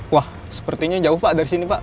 wah sepertinya jauh pak dari sini pak